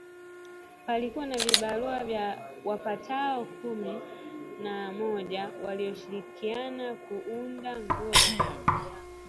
Palikuwa na vibarua wapatao kumi na mmoja walioshirikiana kuunda nguo sampuli nyingi